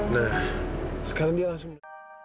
nah sekarang dia langsung